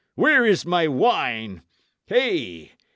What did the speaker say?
Where is my wine? Hey!